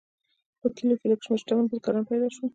په کلیو کې لږ شمیر شتمن بزګران پیدا شول.